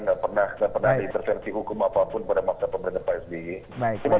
gak pernah ada intervensi hukum apapun pada masa pemberitaan pak spy